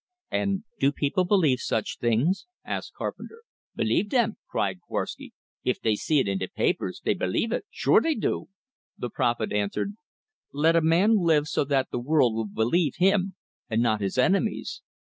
"And do people believe such things?" asked Carpenter. "Believe dem?" cried Korwsky. "If dey see it in de papers, dey believe it sure dey do!" The prophet answered, "Let a man live so that the world will believe him and not his enemies."